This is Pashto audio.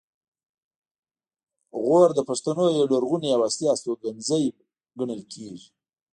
غور د پښتنو یو لرغونی او اصلي استوګنځی ګڼل کیږي